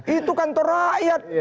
itu kantor rakyat